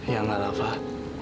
ya nggak fah